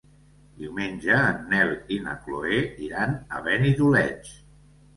Diumenge en Nel i na Chloé iran a Benidoleig.